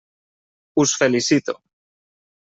Us felicito.